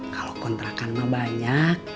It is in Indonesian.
kalau kontrakan mah banyak